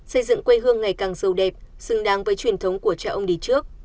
xây dựng quê hương ngày càng sâu đẹp xứng đáng với truyền thống của cha ông đi trước